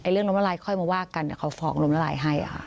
เรื่องลมนาลายค่อยมาวากกันเขาฝอกลมนาลายให้